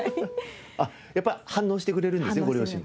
あっやっぱり反応してくれるんですねご両親。